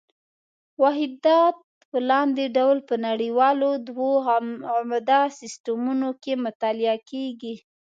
واحدات په لاندې ډول په نړیوالو دوو عمده سیسټمونو کې مطالعه کېږي.